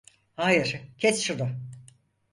Hayır, kes şunu!